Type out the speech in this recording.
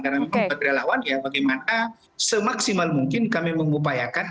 karena memang kerelawan ya bagaimana semaksimal mungkin kami mengupayakan